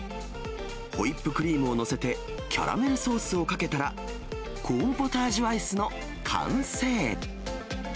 ホイップクリームを載せて、キャラメルソースをかけたら、コーンポタージュアイスの完成。